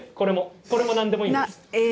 これも何でもいいんです。